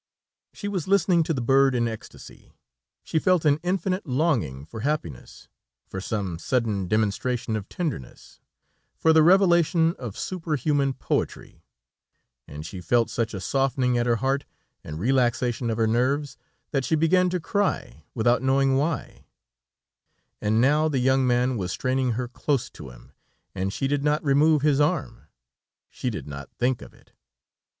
She was listening to the bird in ecstasy. She felt an infinite longing for happiness, for some sudden demonstration of tenderness, for the revelation of super human poetry, and she felt such a softening at her heart, and relaxation of her nerves, that she began to cry, without knowing why, and now the young man was straining her close to him, and she did not remove his arm; she did not think of it.